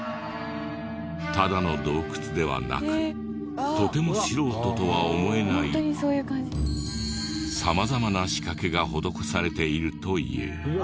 ただの洞窟ではなくとても素人とは思えない様々な仕掛けが施されているという。